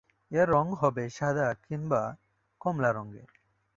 এর রং হবে সাদা কিংবা কমলা রঙের।